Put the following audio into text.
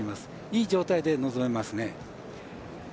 いい状態で臨めますね。